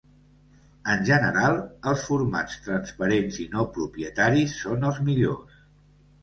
En general, els formats transparents i no propietaris són els millors.